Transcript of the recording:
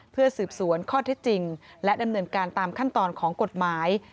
เพื่อสืบสวนข้อเท็จจริงและดำเนินการตามขั้นตอนของกฎหมาย